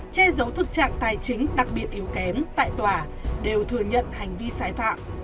che giấu thực trạng tài chính đặc biệt yếu kém tại tòa đều thừa nhận hành vi sai phạm